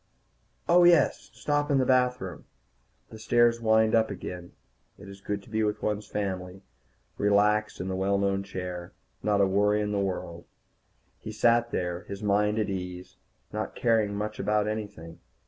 Oh, yes, stop in the bathroom. The stairs wind up again. It is good to be with one's family, relaxed in the well known chair. Not a worry in the world. He sat there, his mind at ease, not caring much about anything.